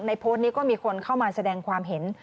โพสต์นี้ก็มีคนเข้ามาแสดงความเห็น